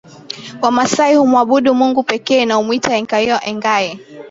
Wamasai humwabudu Mungu pekee na humwita Enkaiau Engai